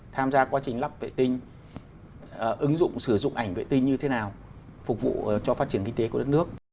tham gia quá trình lắp vệ tinh ứng dụng sử dụng ảnh vệ tinh như thế nào phục vụ cho phát triển kinh tế của đất nước